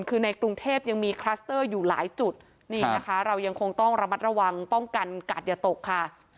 คือในกรุงเทพยังมีคลัสเตอร์อยู่หลายจุดนี่นะคะเรายังคงต้องระมัดระวังป้องกันกัดอย่าตกค่ะ